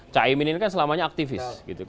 cak imin ini kan selamanya aktivis